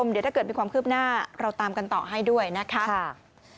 เดี๋ยวถ้าเกิดมีความคืบหน้าเราตามกันต่อให้ด้วยนะคะ